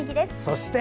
そして。